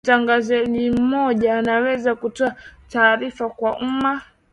mtangazaji mmoja anaweza kutoa tarifa kwa uuma